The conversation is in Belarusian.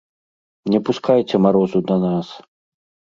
Не пускайце марозу да нас!